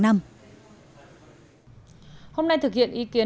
hôm nay thực hiện ý kiến